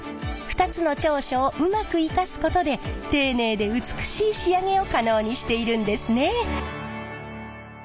２つの長所をうまく生かすことで丁寧で美しい仕上げを可能にしているんですね。